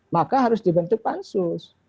maka harus dibentuk pansus